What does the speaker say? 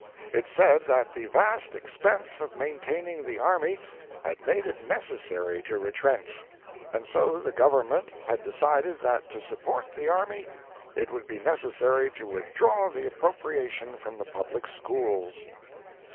It said that the vast expense of maintaining the army had made it necessary to retrench, and so the Government had decided that to support the army it would be necessary to withdraw the appropriation from the public schools.